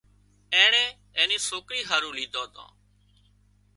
اينڻي اين ني سوڪري هارو ليڌان تان